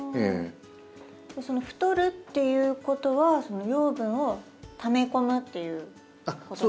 その太るっていうことは養分をため込むっていうことなんですね。